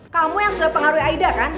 kamu yang sudah pengaruhi aida kan